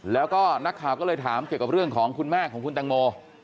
แล้วก็นักข่าวก็เลยถามเกี่ยวกับเรื่องของคุณแม่ของคุณตังโม